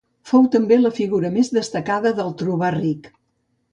Fou també la figura més destacada del trobar ric.